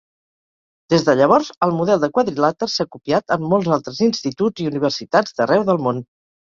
Des de llavors, el model de quadrilàter s'ha copiat en molts altres instituts i universitats d'arreu del món.